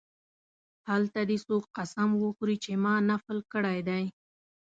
هلته دې څوک قسم وخوري چې ما نفل کړی دی.